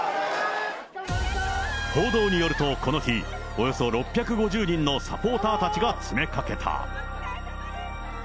報道によると、この日、およそ６５０人のサポーターたちが詰めかけた。